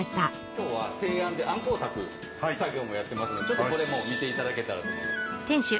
今日は製あんであんこを炊く作業もやってますのでちょっとこれも見ていただけたらと。